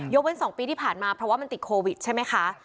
เว้น๒ปีที่ผ่านมาเพราะว่ามันติดโควิดใช่ไหมคะ